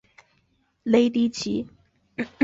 雷迪奇。